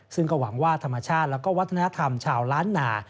ซึ่งก็หวังว่าธรรมชาติและวัฒนธรรมชาวล้านนา